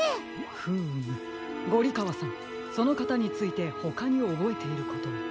フームゴリかわさんそのかたについてほかにおぼえていることは？